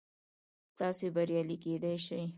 تاسو بریالي کیدی شئ